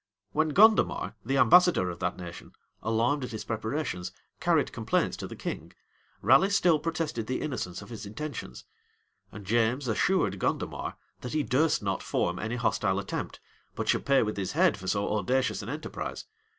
When Gondomar, the ambassador of that nation, alarmed at his preparations, carried complaints to the king, Raleigh still protested the innocence of his intentions; and James assured Gondomar, that he durst not form any hostile attempt, but should pay with his head for so audacious an enterprise.